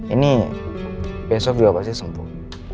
ini besok juga pasti sembuh